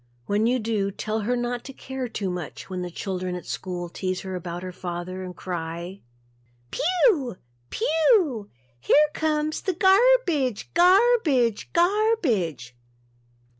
When you do, tell her not to care too much when the children at school tease her about her father and cry "Phew phew, here comes the gar bidge Garrr bidge Garrr bidge."